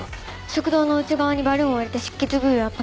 食道の内側にバルーンを入れて出血部位を圧迫。